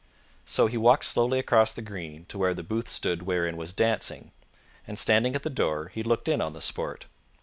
So he walked slowly across the green to where the booth stood wherein was dancing, and standing at the door he looked in on the sport.